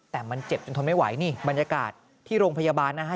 แต่มันเจ็บจนทนไม่ไหวนี่บรรยากาศที่โรงพยาบาลนะฮะ